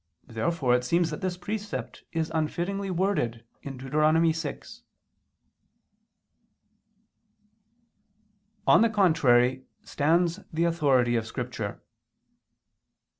Therefore it seems that this precept is unfittingly worded in Deut. 6. On the contrary stands the authority of Scripture.